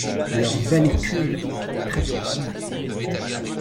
Leur vallécule est très profonde.